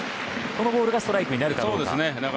このボールがストライクになるかどうか。